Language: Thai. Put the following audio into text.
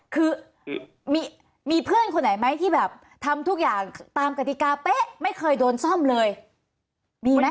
คือมีเพื่อนคนไหนไหมที่แบบทำทุกอย่างตามกติกาเป๊ะไม่เคยโดนซ่อมเลยมีไหม